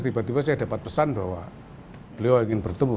tiba tiba saya dapat pesan bahwa beliau ingin bertemu